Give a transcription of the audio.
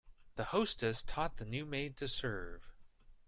The hostess taught the new maid to serve.